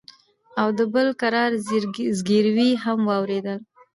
او د بل کرار زگيروي هم واورېدل.